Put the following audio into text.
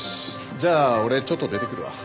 じゃあ俺ちょっと出てくるわ。